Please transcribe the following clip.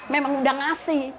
memang udah ngasih